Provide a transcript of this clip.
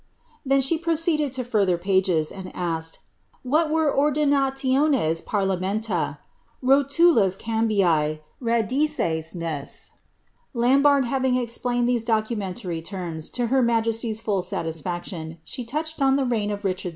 Then she pro ceeded to further pages, and asked '^ what were ordinaliones parliament a^ rohtlus cambii, and rediseisncsV^ Lambarde having explained these documentary terms, to her majesty^s full satisfaction, she touched on tlic reign of Richard 11.